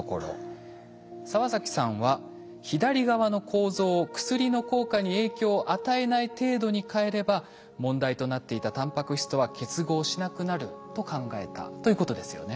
澤崎さんは左側の構造を薬の効果に影響を与えない程度に変えれば問題となっていたタンパク質とは結合しなくなると考えたということですよね。